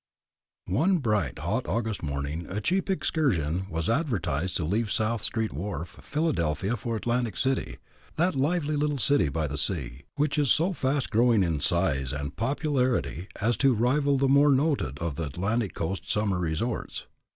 One bright, hot August morning a cheap excursion was advertised to leave South Street wharf, Philadelphia, for Atlantic City that lively little city by the sea, which is so fast growing in size and popularity as to rival the more noted of the Atlantic coast summer resorts.